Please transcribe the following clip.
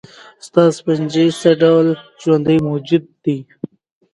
استاده فنجي څه ډول ژوندي موجودات دي